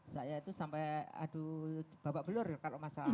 saya itu sampai aduh babak belur kalau masalah